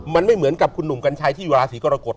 มันไม่เหมือนกับคุณหนุ่มกัญชัยที่อยู่ราศีกรกฎ